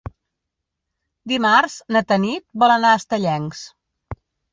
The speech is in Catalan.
Dimarts na Tanit vol anar a Estellencs.